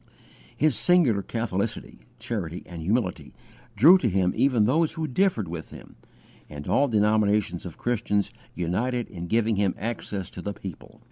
His singular catholicity, charity, and humility drew to him even those who differed with him, and all denominations of Christians united in giving him access to the people.